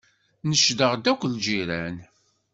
Necdeɣ-d akk lǧiran.